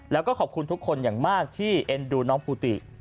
แล้วก็ขอบคุณทุกคนอย่างมากที่เอ็นดูน้องปูติ